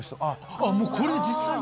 あっもうこれで実際に。